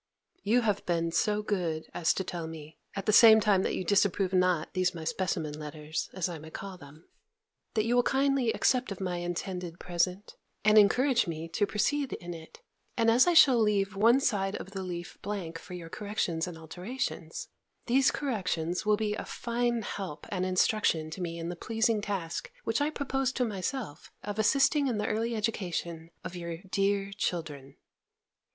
You have been so good as to tell me (at the same time that you disapprove not these my specimen letters as I may call them), that you will kindly accept of my intended present, and encourage me to proceed in it; and as I shall leave one side of the leaf blank for your corrections and alterations, those corrections will be a fine help and instruction to me in the pleasing task which I propose to myself, of assisting in the early education of your dear children.